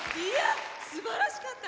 すばらしかった！